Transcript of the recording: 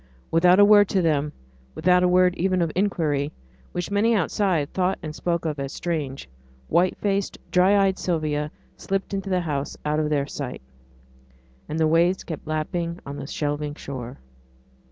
Without a word to them, without a word even of inquiry which many outside thought and spoke of as strange white faced, dry eyed Sylvia slipped into the house out of their sight. And the waves kept lapping on the shelving shore.